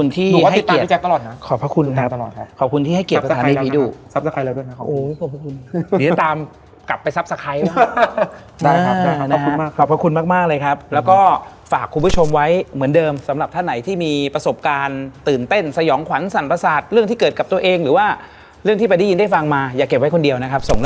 ทุกคนน่าจะเห็นแหละอะไรอย่างเงี้ย